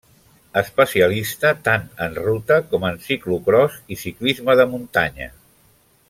Especialista tant en ruta, com en ciclocròs i ciclisme de muntanya.